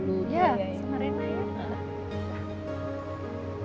iya semuanya baik